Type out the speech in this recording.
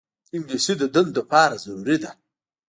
انګلیسي د دندو لپاره ضروري ده